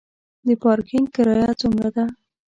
د پارکینګ کرایه څومره ده؟